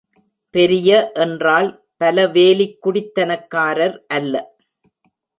பெரிய என்றால் பல வேலிக் குடித்தனக்காரர் அல்ல.